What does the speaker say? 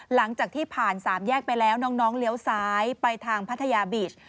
หลังจากที่ผ่านสามแยกไปแล้วน้องเลี้ยวซ้ายไปทางพัทยาบีช